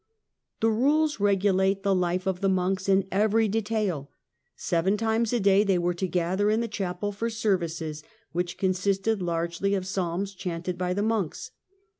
The rules regulate the life of the monks in every de tail. Seven times a day they were to gather in the jhapel for services, which consisted largely of Psalms jhanted by the monks.